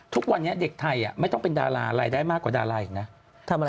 ทุกวันนี้เด็กไทยไม่ต้องเป็นดารารายได้มากกว่าดาราอีกนะ